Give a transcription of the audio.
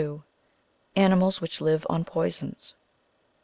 ANIMALS WHICH LIVE ON POISONS.